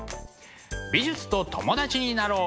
美術と友達になろう！